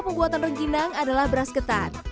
pembuatan rengginang adalah beras ketan